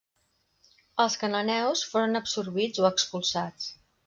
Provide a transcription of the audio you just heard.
Els cananeus foren absorbits o expulsats.